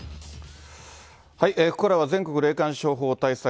ここからは全国霊感商法対策